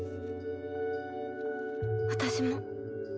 私も。